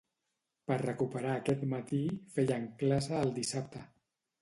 Per recuperar aquest matí, feien classe el dissabte.